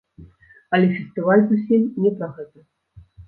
Але фестываль зусім не пра гэта.